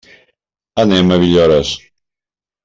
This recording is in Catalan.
Anem a Villores.